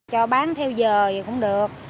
cho bán theo giờ thì cũng được